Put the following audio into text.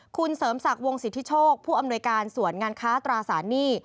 คุณเสริมศักดิ์วงสิทธิโชคผู้อำนวยการส่วนงานค้าตราสารหนี้